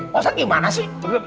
pak ustadz gimana sih